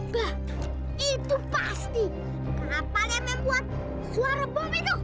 bah itu pasti kapal yang membuat suara bom itu